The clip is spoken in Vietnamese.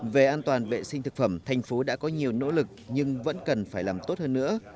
về an toàn vệ sinh thực phẩm thành phố đã có nhiều nỗ lực nhưng vẫn cần phải làm tốt hơn nữa